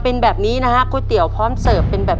เพื่อชิงทุนต่อชีวิตสุด๑ล้านบาท